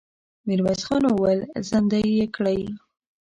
ميرويس خان وويل: زندۍ يې کړئ!